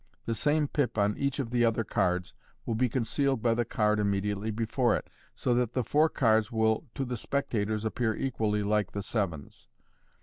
The same pip on each of the other cards will be concealed by the card immediately before it, so that the four cards will to the spec tators appear equally like the sevens.